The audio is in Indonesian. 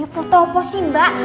foto apa sih mbak